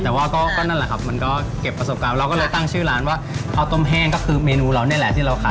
แต่ว่าก็นั่นแหละครับมันก็เก็บประสบการณ์เราก็เลยตั้งชื่อร้านว่าข้าวต้มแห้งก็คือเมนูเรานี่แหละที่เราขาย